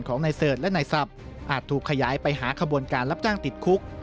ของนายเสิร์ชและนายศัพท์อาจถูกขยายไปหาขบวนการรับจ้างติดคุก